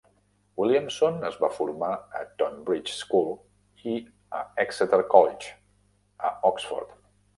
Williamson es va formar a Tonbridge School i a Exeter College, a Oxford.